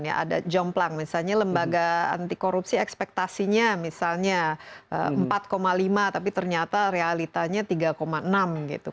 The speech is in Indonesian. ada jomplang misalnya lembaga anti korupsi ekspektasinya misalnya empat lima tapi ternyata realitanya tiga enam gitu